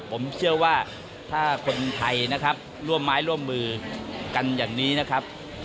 ผมเชื่อว่าถ้าคนไทยนะครับร่วมไม้ร่วมมือกันอย่างนี้นะครับ